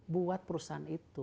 buat perusahaan itu